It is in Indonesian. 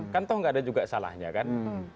kan tahu nggak ada juga salahnya kan